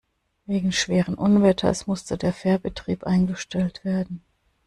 Wegen schweren Unwetters musste der Fährbetrieb eingestellt werden.